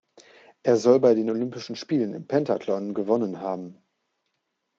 Er soll bei den Olympischen Spielen im Pentathlon gewonnen haben.